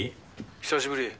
久しぶり